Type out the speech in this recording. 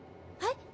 はい？